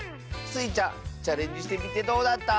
スイちゃんチャレンジしてみてどうだった？